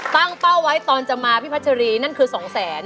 ตั้งเป้าไว้ตอนจะมาพี่พัชรีนั่นคือ๒แสน